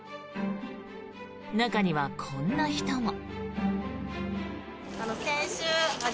中には、こんな人も。